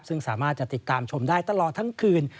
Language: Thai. ซึ่งสามารถจะติดตามชมได้ตลอดทั้งคืน